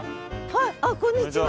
はいあっこんにちは。